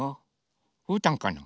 うーたんかな？